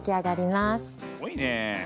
すごいねえ。